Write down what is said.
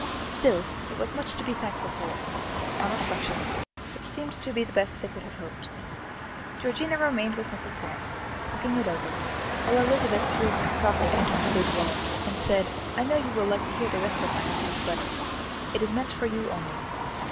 Still it was much to be thankful for; on reflection, it seemed to be the best they could have hoped. Georgiana remained with Mrs. Grant, talking it over, while Elizabeth drew Miss Crawford into her boudoir, and said: "I know you will like to hear the rest of my husband's letter. It is meant for you only.